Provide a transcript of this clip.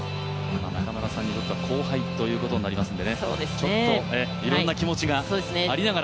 中村さんにとっては後輩ということになりますので、ちょっといろんな気持ちがありながら。